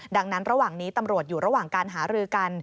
ดังนั้นระหว่างนี้ตำรวจอยู่ระหว่างการหารือกัน